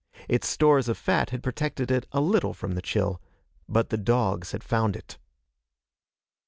Its stores of fat had protected it a little from the chill. But the dogs had found it.